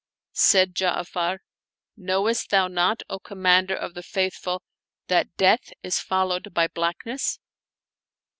Said Ja'afar, " Knowest thou not, O Commander of the Faith ful, that death is followed by blackness?